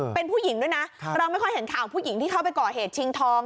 เป็นผู้หญิงด้วยนะเราไม่ค่อยเห็นข่าวผู้หญิงที่เข้าไปก่อเหตุชิงทอง